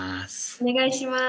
お願いします。